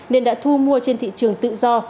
nên đã thu mua trên thị trường tự do